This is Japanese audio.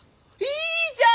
いいじゃん！